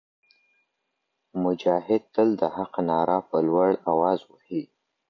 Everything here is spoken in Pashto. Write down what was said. مجاهد تل د حق ناره په لوړ اواز وهي.